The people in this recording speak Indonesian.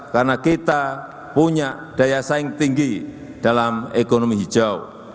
karena kita punya daya saing tinggi dalam ekonomi hijau